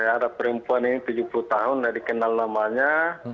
ada perempuan ini tujuh puluh tahun tidak dikenal namanya